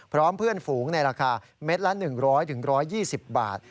พร้อมเพื่อนฝูงในราคาเม็ดละ๑๐๐๑๒๐บาท